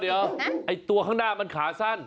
เดี๋ยวไอ้ตัวข้างหน้ามันขาสั้น